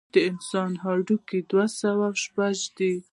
د انسان هډوکي دوه سوه شپږ دي.